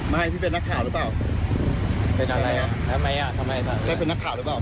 ไม่พี่เป็นนักข่าวหรือเปล่าเป็นนักข่าวหรือเปล่า